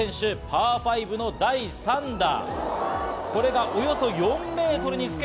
パー５の第３打。